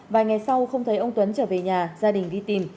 vài ngày sau không thấy ông tuấn trở về nhà gia đình đi tìm